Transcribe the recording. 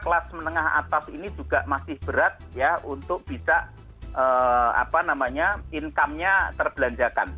kelas menengah atas ini juga masih berat ya untuk bisa income nya terbelanjakan